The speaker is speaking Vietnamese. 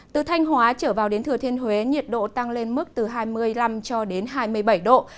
từ thanh hóa trở vào đến thừa thiên huế nhiệt độ tăng lên mức từ hai mươi năm cho đến hai mươi bảy độ